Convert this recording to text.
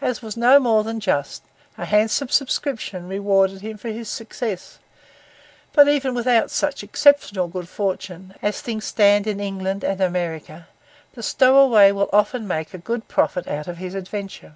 As was no more than just, a handsome subscription rewarded him for his success: but even without such exceptional good fortune, as things stand in England and America, the stowaway will often make a good profit out of his adventure.